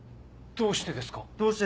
どうしてですか？